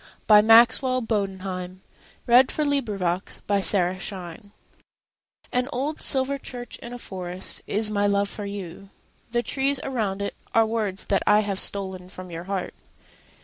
Maxwell Bodenheim1892–1954 Poet to His Love AN old silver church in a forestIs my love for you. The trees around itAre words that I have stolen from your heart.